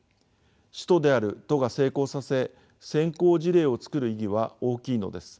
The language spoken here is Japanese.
首都である都が成功させ先行事例を作る意義は大きいのです。